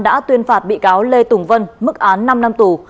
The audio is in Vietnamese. đã tuyên phạt bị cáo lê tùng vân mức án năm năm tù